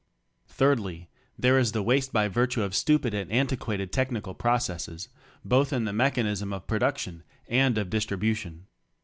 Thirdly, there is the waste by virtue of stupid and anti quated technical processes — both in the mechanism of produc tion and of distribution.